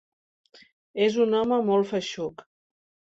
És un home molt feixuc.